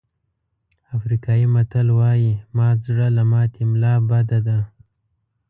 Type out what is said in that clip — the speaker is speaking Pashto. افریقایي متل وایي مات زړه له ماتې ملا بده ده.